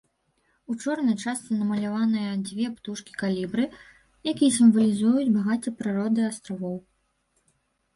У чорнай частцы намаляваныя дзве птушкі калібры, якія сімвалізуюць багацце прыроды астравоў.